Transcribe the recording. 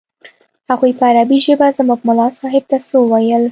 هغوى په عربي ژبه زموږ ملا صاحب ته څه وويل.